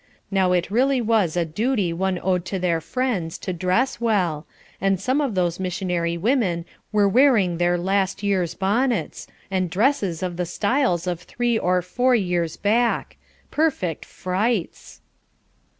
Now it really was a duty one owed to their friends, to dress well, and some of those missionary women were wearing their last year's bonnets; and dresses of the styles of three or four years back perfect frights!